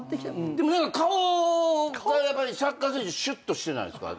でも何か顔がやっぱりサッカー選手シュッとしてないですか？